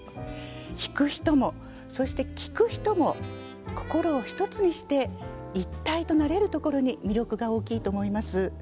弾く人もそして聴く人も心を一つにして一体となれるところに魅力が大きいと思います。